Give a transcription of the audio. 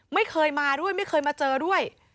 ไม่เคยมาด้วยไม่เคยมาเจอด้วย